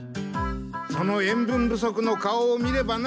その塩分不足の顔を見ればな。